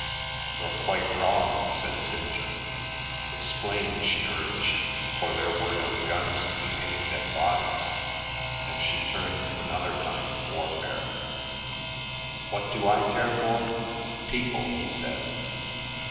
"You're quite wrong," said St. John. "Explain," she urged, for there were no guns to be aimed at bodies, and she turned to another kind of warfare. "What do I care for? People," he said.